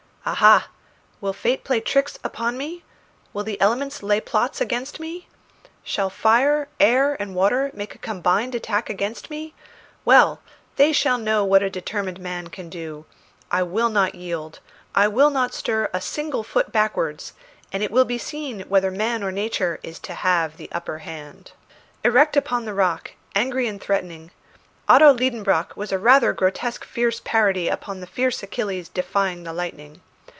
"Aha! will fate play tricks upon me? Will the elements lay plots against me? Shall fire, air, and water make a combined attack against me? Well, they shall know what a determined man can do. I will not yield. I will not stir a single foot backwards, and it will be seen whether man or nature is to have the upper hand!" Erect upon the rock, angry and threatening, Otto Liedenbrock was a rather grotesque fierce parody upon the fierce Achilles defying the lightning.